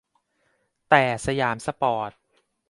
แต่ สยามสปอร์ต